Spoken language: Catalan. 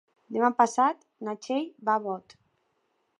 Demà passat na Txell va a Bot.